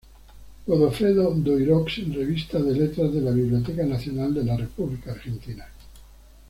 Godofredo Daireaux, Revista de Letras de la Biblioteca Nacional de la República Argentina.